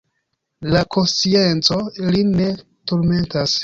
La konscienco lin ne turmentas.